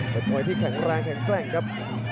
เป็นมวยที่แข็งแรงแข็งแกร่งครับ